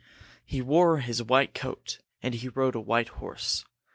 He wore his white coat, and he rode a white horse.